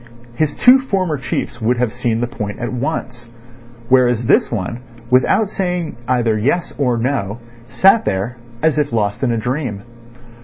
His two former chiefs would have seen the point at once; whereas this one, without saying either yes or no, sat there, as if lost in a dream.